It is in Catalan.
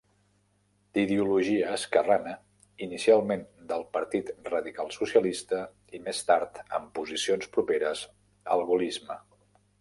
D'ideologia esquerrana, inicialment del Partit Radical-Socialista, i més tard amb posicions properes al gaullisme.